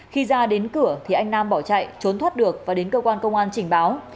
khi ra đến cửa thì anh nam bỏ chạy trốn thoát được và đến cơ quan công an trình báo